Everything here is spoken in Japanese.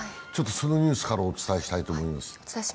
そのニュースからお伝えしたいと思います。